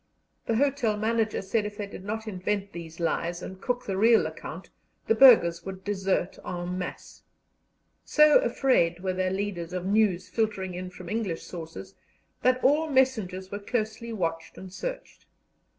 The hotel manager said if they did not invent these lies and cook the real account the burghers would desert en masse. So afraid were their leaders of news filtering in from English sources that all messengers were closely watched and searched.